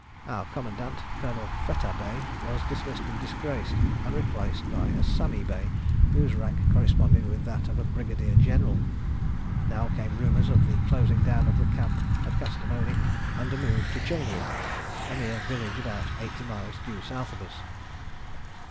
Our commandant, Colonel Fettah Bey, was dismissed in disgrace and replaced by a Sami Bey, whose rank corresponded with that of a brigadier general. Now came rumours of the closing down of the camp at Kastamoni and a move to Changri (pronounced Chungri) a mere village about eighty miles due south of us.